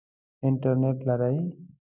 انټرنټ لرئ؟